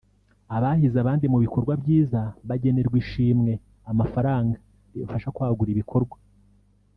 abahize abandi mu bikorwa byiza bagenerwa ishimwe (amafaranga) ribafasha kwagura ibikorwa